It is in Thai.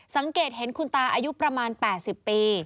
สังเกตเห็นคุณตาอายุประมาณ๘๐ปี